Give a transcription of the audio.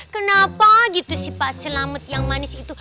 kenapa gitu sih pak selamet yang manis itu